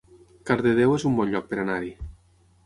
Cardedeu es un bon lloc per anar-hi